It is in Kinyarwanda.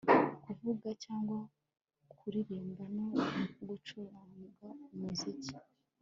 Kuvuga cyangwa kuririmba no gucurangaumuziki